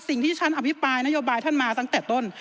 สิ่งที่ฉันอภิปรายนโยบายท่านมาตั้งแต่ต้น